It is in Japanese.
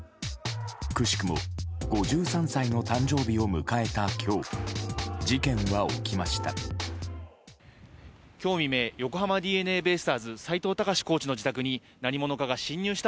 くしくも５３歳の誕生を迎えた今日事件は起きました。